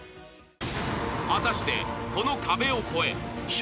［果たしてこの壁を超え笑